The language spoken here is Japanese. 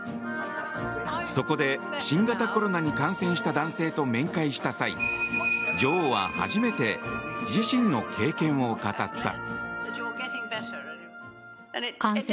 そこで新型コロナに感染した男性と面会した際女王は初めて自身の経験を語った。